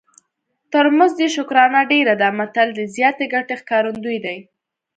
تر مزد یې شکرانه ډېره ده متل د زیاتې ګټې ښکارندوی دی